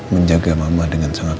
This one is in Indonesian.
menjaga mama dengan sangat